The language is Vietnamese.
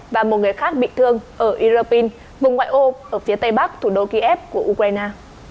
và một người khác bị thương ở iraqin vùng ngoại ô ở phía tây bắc thủ đô kiev của ukraine